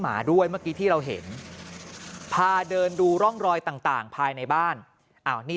หมาด้วยเมื่อกี้ที่เราเห็นพาเดินดูร่องรอยต่างภายในบ้านนี่